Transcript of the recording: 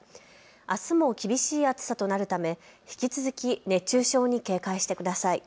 あすも厳しい暑さとなるため引き続き熱中症に警戒してください。